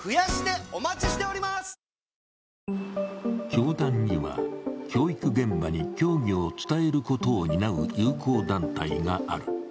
教団には教育現場に教義を伝えることを担う友好団体がある。